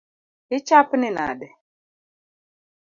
Ichapni nade?